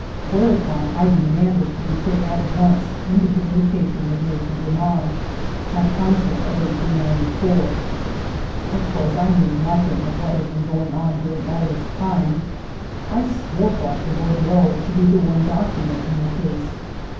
Whereupon I demanded to be put at once into communica tion with Maitre Demange, my counsel of 1894. Of course I knew nothing of what had been going on during all this time ; I still thought the bor dereau to be the one document in the case.